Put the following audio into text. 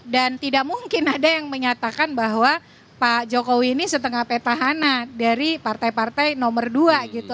dan tidak mungkin ada yang menyatakan bahwa pak jokowi ini setengah petahana dari partai partai nomor dua gitu